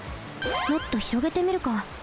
もっとひろげてみるか。